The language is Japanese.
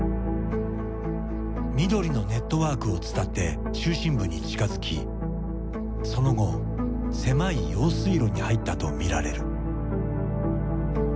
みどりのネットワークを伝って中心部に近づきその後狭い用水路に入ったとみられる。